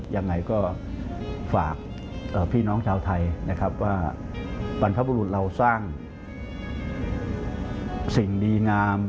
อย่างไรก็ฝากพี่น้องชาวไทยว่าปรรถบุรุษเราสร้างสิ่งดีงาม